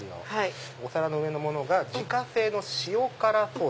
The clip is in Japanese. お皿の上のものが自家製の塩辛ソース。